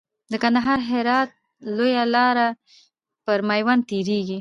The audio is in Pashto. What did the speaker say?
د کندهار هرات لاره لويه لار پر ميوند تيريږي .